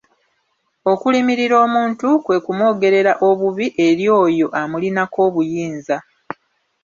Okulimirira omuntu kwe kumwogerera obubi eri oyo amulinako obuyinza.